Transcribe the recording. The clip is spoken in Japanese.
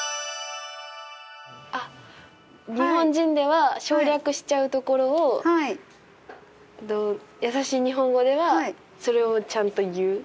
あっ日本人では省略しちゃうところをやさしい日本語ではそれをちゃんと言う。